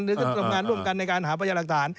ลงกันกันในการหาประเฉิงต่าง